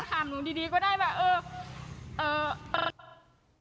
โพสต์อะไรให้ระวังหน่อย